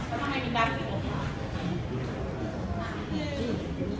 กระทั่งในบิ๊กแบม